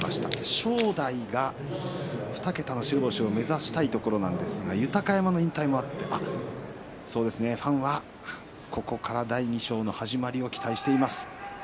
正代が２桁の白星を目指したいところなんですが豊山の引退もあってファンはここから第２章の始まりを期待しています。